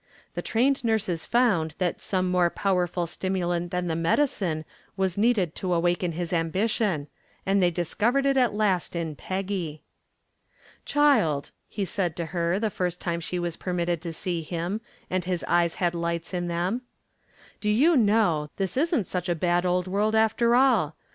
The trained nurses found that some more powerful stimulant than the medicine was needed to awaken his ambition, and they discovered it at last in Peggy. "Child," he said to her the first time she was permitted to see him, and his eyes had lights in them: "do you know, this isn't such a bad old world after all.